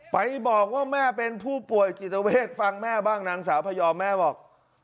ไปบอกว่าแม่เป็นผู้ป่วยจิตเวทฟังแม่บ้างนางสาวพยอมแม่บอก